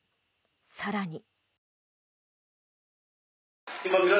更に。